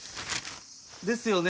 ですよね？